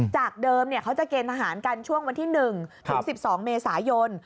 จากเดิมเขาจะเกณฑ์ทหารกันช่วงวันที่๑ถึง๑๒เมษายน